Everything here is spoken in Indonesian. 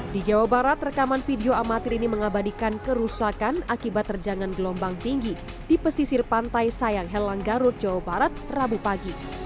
di jawa barat rekaman video amatir ini mengabadikan kerusakan akibat terjangan gelombang tinggi di pesisir pantai sayang helang garut jawa barat rabu pagi